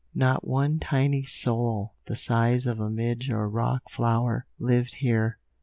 Not one tiny soul, the size of a midge or rock flower, lived here.